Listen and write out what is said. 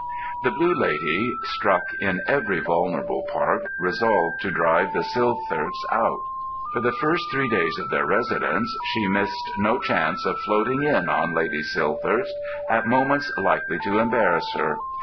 The Blue Lady, struck in every vulnerable part, resolved to drive the Silthirsks out. For the first three days of their residence she missed no chance of floating in on Lady Silthirsk at moments likely to embarrass her.